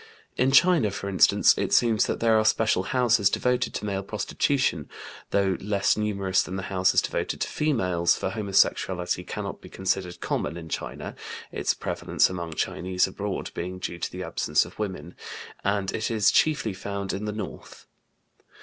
In China, for instance, it seems that there are special houses devoted to male prostitution, though less numerous than the houses devoted to females, for homosexuality cannot be considered common in China (its prevalence among Chinese abroad being due to the absence of women) and it is chiefly found in the north.